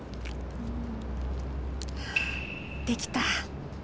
できた。